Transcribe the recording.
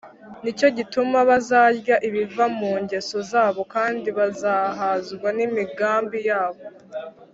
ni cyo gituma bazarya ibiva mu ngeso zabo, kandi bazahazwa n’imigambi yabo